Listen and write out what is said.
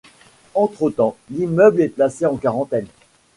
Entre-temps, l'immeuble est placé en quarantaine.